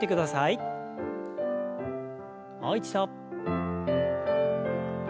もう一度。